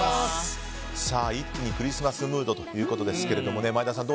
一気にクリスマスムードということですけども前田さん、